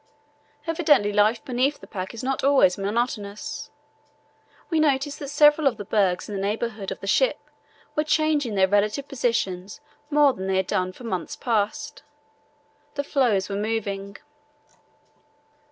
Evidently life beneath the pack is not always monotonous. We noticed that several of the bergs in the neighbourhood of the ship were changing their relative positions more than they had done for months past. The floes were moving.